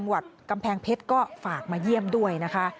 จังหวัดกำแพงเพชรก็ฝากมาเยี่ยมด้วยนะคะ